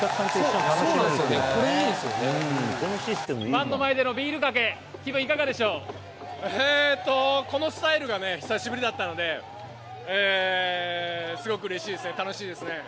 ファンの前でのビールかけ、このスタイルがね、久しぶりだったので、すごくうれしいですね、楽しいですね。